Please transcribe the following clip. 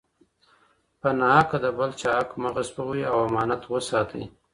په ناحقه د بل چا حق مه غصبوئ او امانت وساتئ.